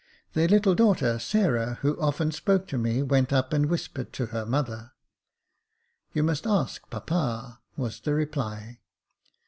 Their little daughter, Sarah, who often spoke to me, went up and whispered to her mother. " You must ask papa," was the reply.